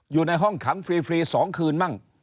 อยู่ในห้องขังฟรี๒คืนมั่ง